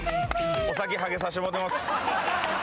お先はげさしてもうてます。